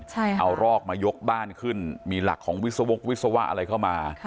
เอารอกมายกบ้านขึ้นมีหลักของวิศวกวิศวะอะไรเข้ามา